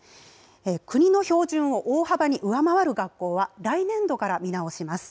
国の標準を大幅に上回る学校は、来年度から見直します。